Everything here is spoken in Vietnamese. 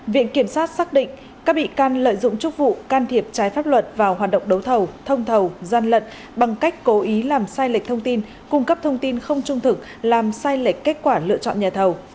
viện kiểm sát xác định các bị can lợi dụng chúc vụ can thiệp trái pháp luật vào hoạt động đấu thầu thông thầu gian lận bằng cách cố ý làm sai lệch thông tin cung cấp thông tin không trung thực làm sai lệch kết quả lựa chọn nhà thầu